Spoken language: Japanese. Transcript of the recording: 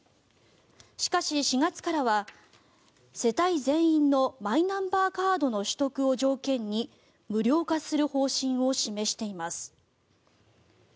しかし、４月からは世帯全員のマイナンバーカードの取得を条件に無料化する方針を示しています。